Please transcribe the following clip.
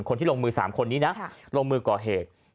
คนที่ลงมือก่อเหตุ